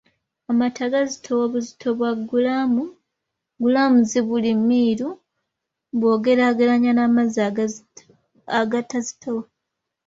Amata gazitowa obuzito bwa gulaamuzi buli miiru bw’ogeraageranya n’amazzi agatazitowa